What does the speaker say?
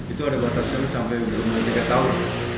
itu ada batasan sampai berumur tiga tahun